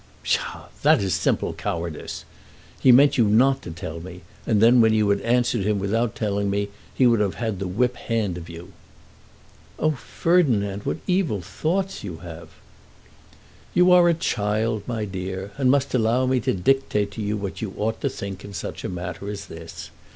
"Psha! That is simple cowardice. He meant you not to tell me; and then when you had answered him without telling me, he would have had the whip hand of you." "Oh, Ferdinand, what evil thoughts you have!" "You are a child, my dear, and must allow me to dictate to you what you ought to think in such a matter as this.